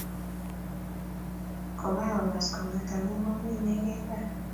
kokas kong'at amuu komii inegei gaa